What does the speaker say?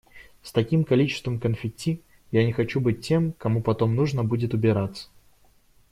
С таким количеством конфетти я не хочу быть тем, кому потом нужно будет убираться.